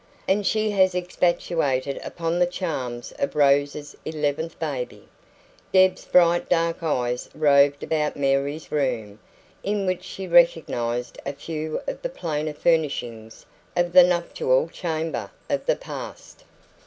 And as she expatiated upon the charms of Rose's eleventh baby, Deb's bright dark eyes roved about Mary's room, in which she recognised a few of the plainer furnishings of the nuptial chamber of the past.